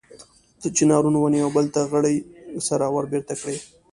د چنارونو ونې یو بل ته غړۍ سره وربېرته کړي.